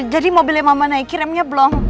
jadi mobil yang mama naikin remnya belum